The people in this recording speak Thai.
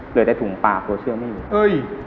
เหลือแต่ถุงปากตัวเชือกไม่อยู่